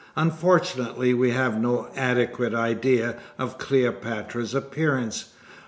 Unfortunately we have no adequate idea of Cleopatra's appearance.